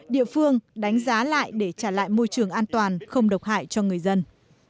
địa phương đánh giá lại để trả lại môi trường an toàn không độc hại cho người dân